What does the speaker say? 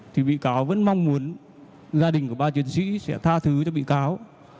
thì bị cáo vẫn mong muốn gia đình của ba chiến sĩ sẽ tha thứ cho bị cáo